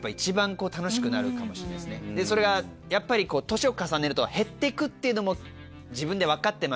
それがやっぱり年を重ねると減ってくっていうのも自分で分かってましたし。